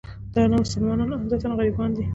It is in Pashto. دا نامسلمانان عمدتاً غربیان دي.